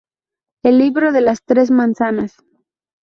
El libro de las tres manzanas.